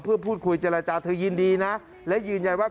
เพื่อพูดคุยเจรจาเธอยินดีนะและยืนยันว่า